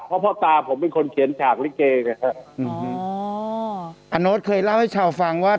เพราะพ่อตาผมเป็นคนเขียนฉากค่ะอ๋ออาโน้ดเคยเล่าให้ชาวฟังว่า